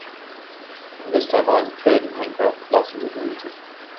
From this time on, trade and handcraft blossomed in the region.